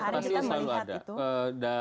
pasti selalu ada